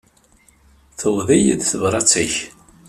Tewweḍ-iyi-d tebṛat-ik.